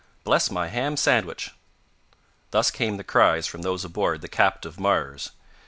"Bless my ham sandwich!" Thus came the cries from those aboard the captive Mars.